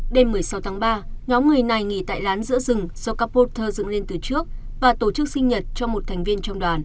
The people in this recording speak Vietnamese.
đêm một mươi sáu tháng ba nhóm người này nghỉ tại lán giữa rừng do các porter dựng lên từ trước và tổ chức sinh nhật cho một thành viên